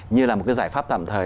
như là một cái giải pháp tạm thời